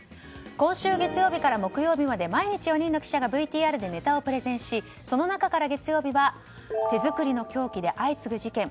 今週、月曜日から木曜日まで毎日４人の記者がＶＴＲでネタをプレゼンしその中から、月曜日は手作りの凶器で相次ぐ事件